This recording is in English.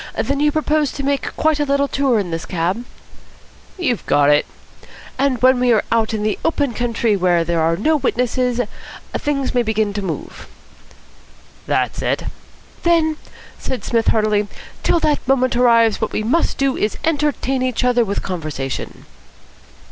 Then you propose to make quite a little tour in this cab?" "You've got it." "And when we are out in the open country, where there are no witnesses, things may begin to move." "That's it." "Then," said Psmith heartily, "till that moment arrives what we must do is to entertain each other with conversation.